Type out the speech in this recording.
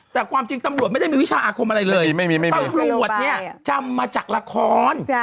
แต่ความจริงตำรวจไม่ได้มีวิชาอาคมอะไรเลยตำรวจเนี่ยจำมาจากละคร